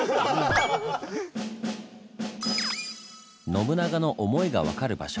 信長の思いが分かる場所